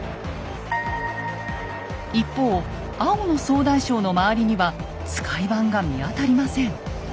一方青の総大将の周りには使番が見当たりません。